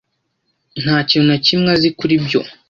Nta kintu na kimwe azi kuri byo.